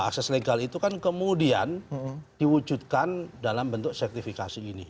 akses legal itu kan kemudian diwujudkan dalam bentuk sertifikasi ini